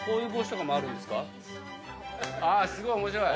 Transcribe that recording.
すごい面白い。